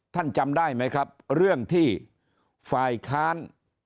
จำได้ไหมครับเรื่องที่ฝ่ายค้าน